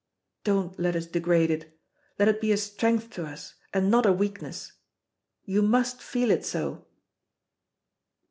Don't let us degrade it, let it be a strength to us and not a weakness. You must feel it so."